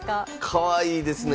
かわいいですね。